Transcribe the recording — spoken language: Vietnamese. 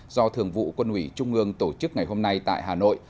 do thường vụ quân ủy trung ương tổ chức ngày hôm nay tại hà nội